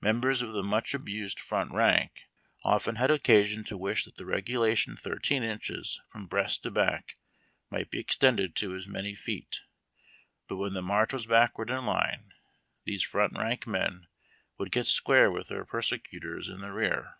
Members of the much abused front rank often RAW RECRUirS. 209 liad occasion to wish that the reguhation thirteen inches from breast to back might be extended to as many feet; but when the march was backward in line, these front rank men woukl get square with their persecutors in the rear.